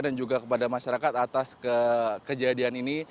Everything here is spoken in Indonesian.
dan juga kepada masyarakat atas kejadian ini